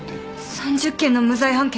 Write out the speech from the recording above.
３０件の無罪判決？